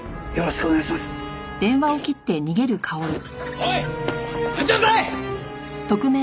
おい待ちなさい！